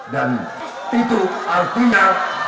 dan itu artinya